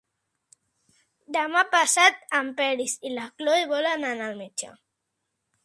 Demà passat en Peris i na Cloè volen anar al metge.